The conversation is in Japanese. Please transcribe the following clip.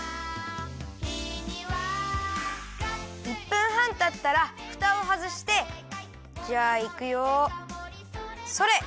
１分はんたったらふたをはずしてじゃあいくよそれ！